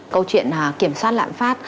câu chuyện kiểm soát lạm phát